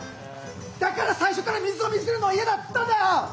だから最初から水を見せるのは嫌だって言ったんだよ！